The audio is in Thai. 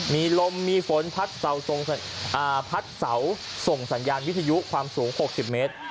มีลมมีฝนพัดเสาส่งสัญญาณวิทยุความสูง๖๐เมตร